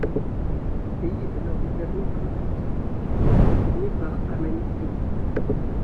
Le pays est alors gouverné par un parti unique mené par Hamani Diori.